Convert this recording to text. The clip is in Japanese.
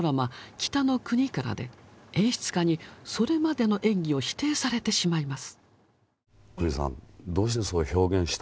「北の国から」で演出家にそれまでの演技を否定されてしまいます。